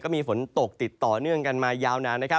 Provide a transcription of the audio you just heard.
มีฝนตกติดต่อเนื่องกันมายาวนาน